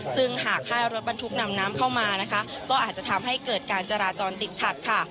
ซึ่งหากค่ายรถบรรทุกนำน้ำเข้ามานะคะก็อาจจะทำให้เกิดการจราจรติดขัดค่ะ